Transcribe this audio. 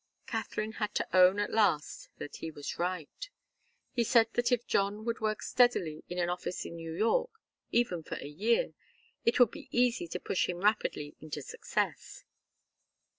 Katharine had to own at last that he was right. He said that if John would work steadily in an office in New York, even for a year, it would be easy to push him rapidly into success.